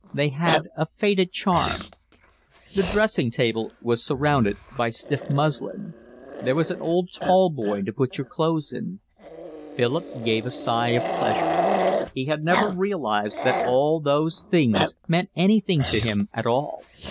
They had a faded charm. The dressing table was surrounded by stiff muslin. There was an old tall boy to put your clothes in. Philip gave a sigh of pleasure; he had never realised that all those things meant anything to him at all.